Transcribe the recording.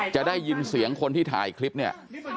จะได้ยินเสียงคนที่ถ่ายคลิปเนี่ย